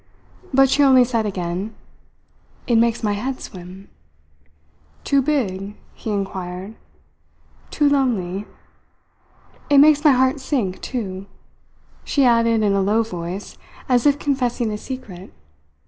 But she only said again: "It makes my head swim." "Too big?" he inquired. "Too lonely. It makes my heart sink, too," she added in a low voice, as if confessing a secret.